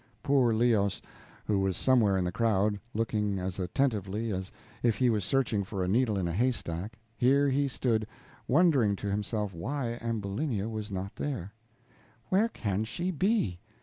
Poor Leos, who was somewhere in the crowd, looking as attentively as if he was searching for a needle in a haystack; here he stood, wondering to himself why Ambulinia was not there. "Where can she be?